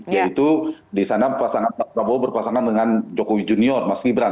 yaitu di sana pasangan pak prabowo berpasangan dengan jokowi junior mas gibran